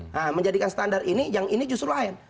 nah menjadikan standar ini yang ini justru lain